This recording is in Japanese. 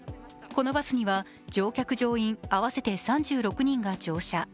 このバスには、乗客・乗員合わせて３６人が乗車。